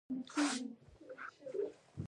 دوی نوي تخنیکونه هیواد ته راوړي.